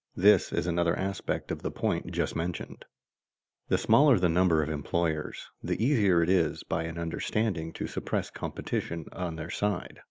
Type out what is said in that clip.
_ This is another aspect of the point just mentioned. The smaller the number of employers, the easier is it by an understanding to suppress competition on their side.